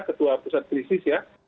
ketua pusat krisis ya